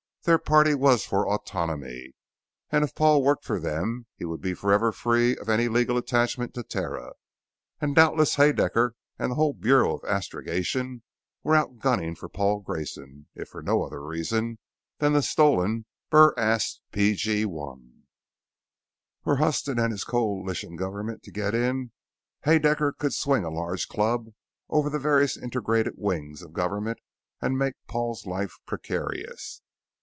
Their party was for autonomy, and if Paul worked for them, he would be forever free of any legal attachment to Terra. And doubtless Haedaecker and the whole Bureau of Astrogation were out gunning for Paul Grayson if for no other reason than the stolen BurAst P.G.1. Were Huston and his coalition government to get in, Haedaecker could swing a large club over the various integrated wings of government and make Paul's life precarious.